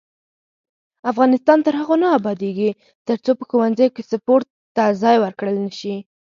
افغانستان تر هغو نه ابادیږي، ترڅو په ښوونځیو کې سپورت ته ځای ورکړل نشي.